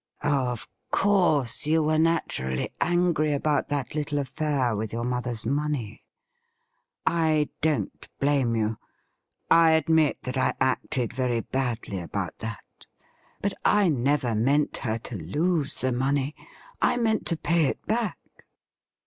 ' Of course you were natiu ally angry about that little affair with your mother's money. I don't blame you. I admit that I acted very badly about that. But I never meant her to lose the money. I meant to pay it back.'